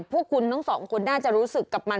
พวกคุณทั้งสองคนน่าจะรู้สึกกับมัน